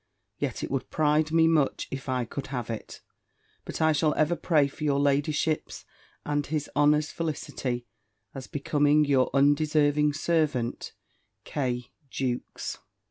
Yet it would pride me much, if I could have it. But I shall ever pray for your ladyship's and his honour's felicity, as becomes your undeserving servant, "K. JEWKES."